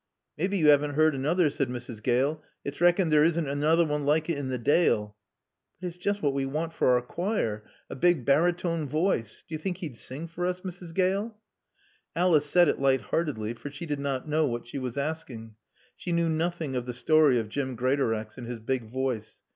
"Mebbe yo 'aven't 'eard anoother," said Mrs. Gale. "It's rackoned there isn't anoother woon like it in t' daale." "But it's just what we want for our choir a big barytone voice. Do you think he'd sing for us, Mrs. Gale?" Alice said it light heartedly, for she did not know what she was asking. She knew nothing of the story of Jim Greatorex and his big voice.